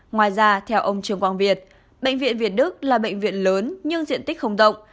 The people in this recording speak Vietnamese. ngoài ra theo ông trường quang việt bệnh viện việt đức là bệnh viện lớn nhưng diện tích không rộng